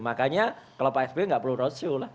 makanya kalau pak sby nggak perlu roadshow lah